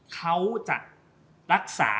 เขาจะรักษา